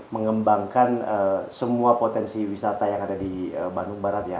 mengembangkan semua potensi wisata yang ada di bandung barat ya